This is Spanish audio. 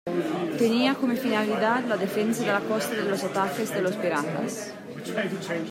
Tenía como finalidad la defensa de la costa de los ataques de los piratas.